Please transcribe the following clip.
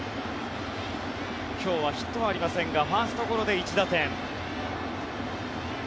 今日はヒットはありませんがファーストゴロで１打点。